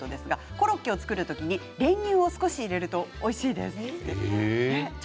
コロッケを作る時に練乳を少し入れるとおいしいです。